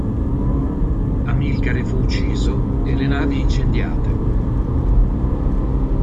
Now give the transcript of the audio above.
Amilcare fu ucciso e le navi incendiate.